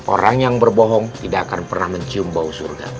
orang yang berbohong tidak akan pernah mencium bau surga